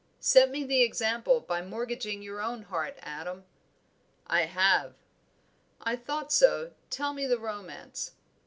"Set me the example by mortgaging your own heart, Adam." "I have." "I thought so. Tell me the romance."